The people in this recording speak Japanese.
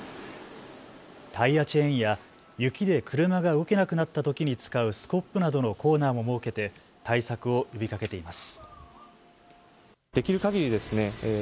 タイヤチェーンや雪で車が動けなくなったときに使うスコップなどのコーナーも設けて対策を呼びかけています。